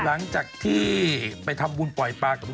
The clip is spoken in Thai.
หลังจากที่ไปทำบุญปล่อยปลากับทุกเพื่อน